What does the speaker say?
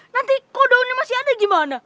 nanti kok daunnya masih ada gimana